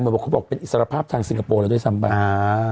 เหมือนเขาบอกเป็นอิสระภาพทางสิงกโปรแล้วด้วยสัมปัน